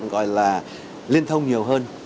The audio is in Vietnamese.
gọi là liên thông nhiều hơn